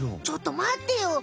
ちょっとまってよ！